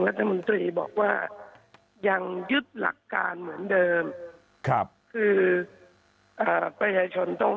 รัฐมตรีบอกว่ายังยึดหลักการเหมือนเดิมค่ะคือชนต้องได้